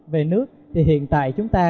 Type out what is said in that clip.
về nước thì hiện tại chúng ta